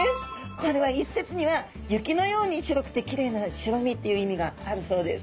これは一説には雪のように白くてきれいな白身っていう意味があるそうです。